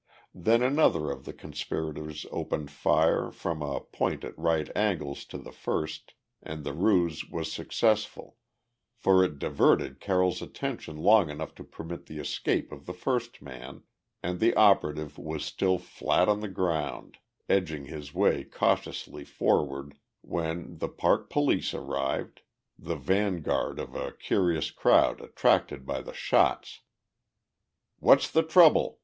Then another of the conspirators opened fire from a point at right angles to the first, and the ruse was successful, for it diverted Carroll's attention long enough to permit the escape of the first man, and the operative was still flat on the ground, edging his way cautiously forward when the Park police arrived, the vanguard of a curious crowd attracted by the shots. "What's the trouble?"